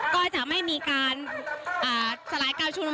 ก็จะไม่มีการสลายการชุมนุม